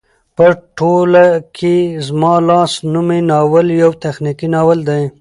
په ټوله کې زما لاس نومی ناول يو تخنيکي ناول دى